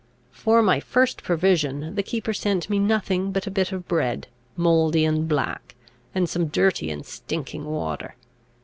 For my first provision, the keeper sent me nothing but a bit of bread, mouldy and black, and some dirty and stinking water.